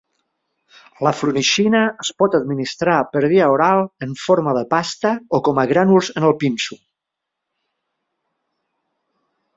La flunixina es pot administrar per via oral en forma de pasta o com a grànuls en el pinso.